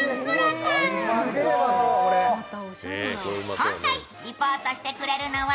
今回リポートしてくれるのは